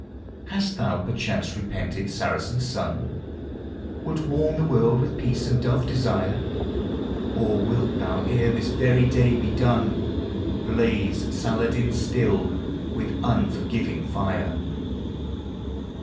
•j Hast thou perchance repented, Saracen Sun ? Wilt warm the world with peace and dove desire ? Or wilt thou, ere this very day be done, Blaze Saladin still, with unforgiving fire